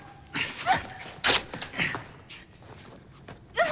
あっ。